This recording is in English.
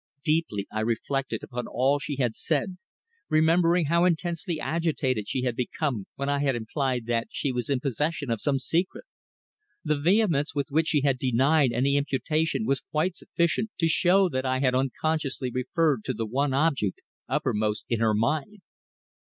Deeply I reflected upon all she had said, remembering how intensely agitated she had become when I had implied that she was in possession of some secret. The vehemence with which she had denied my imputation was quite sufficient to show that I had unconsciously referred to the one object uppermost in her mind.